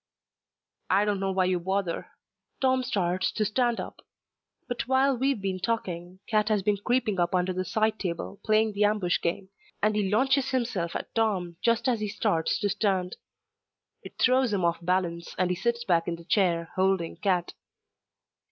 "I don't know why you bother." Tom starts to stand up. But while we've been talking, Cat has been creeping up under the side table, playing the ambush game, and he launches himself at Tom just as he starts to stand. It throws him off balance and he sits back in the chair, holding Cat.